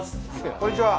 こんにちは。